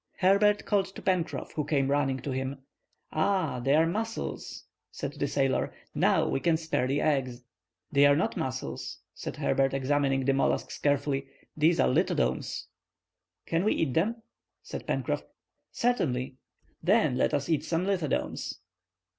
Herbert called to Pencroff, who came running to him. "Ah, they are mussels," said the sailor. "Now we can spare the eggs." "They are not mussels," said Herbert, examining the mollusks carefully, "they are lithodomes." "Can we eat them?" said Pencroff. "Certainly." "Then let us eat some lithodomes."